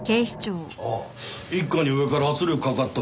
ああ一課に上から圧力かかったんだってな。